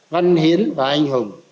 văn hiến và anh hùng